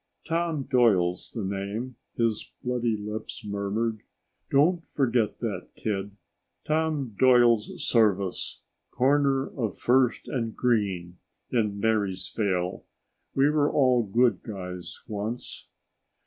"Tom Doyle's the name," his bloody lips murmured. "Don't forget that, kid. Tom Doyle's Service, corner of First and Green in Marysvale. We were all good guys once."